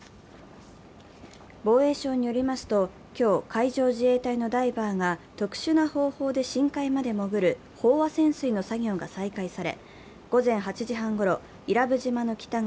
防衛省によりますと今日、海上自衛隊のダイバーが特殊な方法で深海まで潜る飽和潜水の作業が再開され午前８時半ごろ、伊良部島の北側